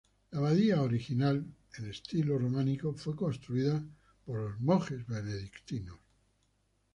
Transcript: La abadía original, en estilo románico, fue construida por los monjes benedictinos.